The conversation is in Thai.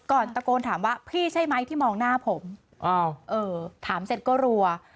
ตะโกนถามว่าพี่ใช่ไหมที่มองหน้าผมถามเสร็จก็รัว